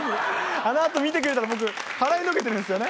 あのあと見てくれたら僕払いのけてるんですよね。